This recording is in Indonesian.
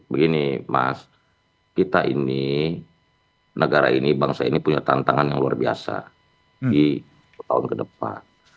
begini mas kita ini negara ini bangsa ini punya tantangan yang luar biasa di tahun ke depan